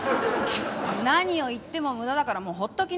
何を言っても無駄だからもうほっときな！